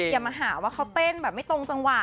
อย่ามาหาว่าเขาเต้นแบบไม่ตรงจังหวะ